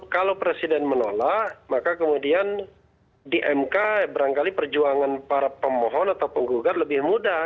kalau presiden menolak maka kemudian di mk berangkali perjuangan para pemohon atau penggugat lebih mudah